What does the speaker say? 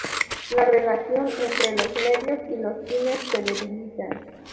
La relación entre los medios y los fines se debilitan.